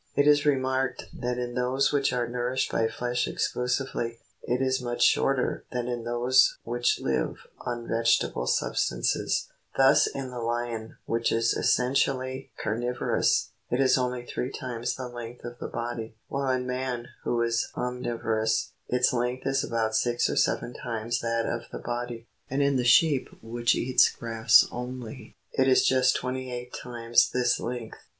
It is remarked that in those which are nourished by flesh exclusively, it is much shorter than in those which live on vegetable substances : thus in the lion, which is essentially carnivorous, it is only three times the length of the body ; while in man, who is omnivorous, its length is about six or seven times that of the body, and in the sheep which eats grass only, it is just twenty eight times this length.